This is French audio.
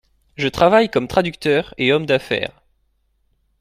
Je travaille comme traducteur et homme d’affaires.